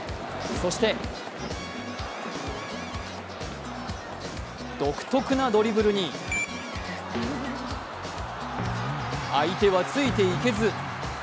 そして独特なドリブルに相手はついていけず。